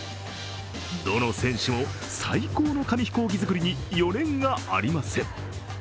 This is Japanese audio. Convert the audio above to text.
どの選手も最高の紙飛行機作りに余念がありません。